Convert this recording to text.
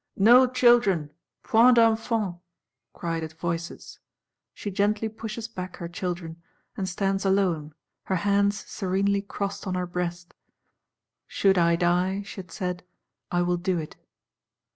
'No children, Point d'enfans!' cry the voices. She gently pushes back her children; and stands alone, her hands serenely crossed on her breast: 'should I die,' she had said, 'I will do it.